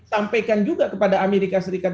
sampaikan juga kepada amerika serikat